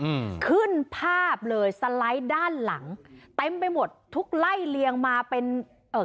อืมขึ้นภาพเลยสไลด์ด้านหลังเต็มไปหมดทุกไล่เลียงมาเป็นเอ่อ